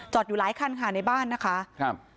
อยู่หลายคันค่ะในบ้านนะคะครับ